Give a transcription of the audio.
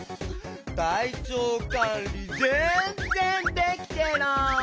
たいちょうかんりぜんぜんできてない！